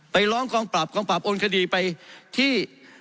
ไปร้องกองปรับกองปราบโอนคดีไปที่